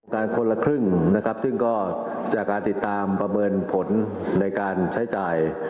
คนละครึ่งนะครับซึ่งก็จากการติดตามประเมินผลในการใช้จ่าย